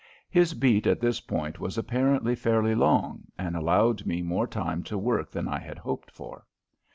His beat at this point was apparently fairly long and allowed me more time to work than I had hoped for.